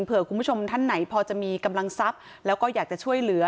คุณผู้ชมท่านไหนพอจะมีกำลังทรัพย์แล้วก็อยากจะช่วยเหลือ